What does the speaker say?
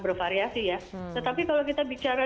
bervariasi ya tetapi kalau kita bicara